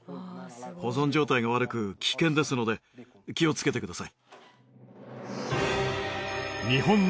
保存状態が悪く危険ですので気をつけてください。